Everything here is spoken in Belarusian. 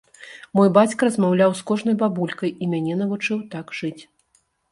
Мой бацька размаўляў з кожнай бабулькай, і мяне навучыў так жыць.